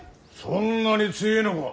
そんなに強えのか。